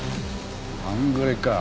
半グレか。